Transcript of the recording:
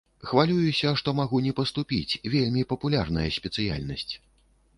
Хвалююся, што магу не паступіць, вельмі папулярная спецыяльнасць.